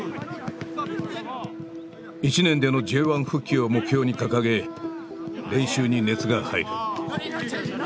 １年でのＪ１復帰を目標に掲げ練習に熱が入る。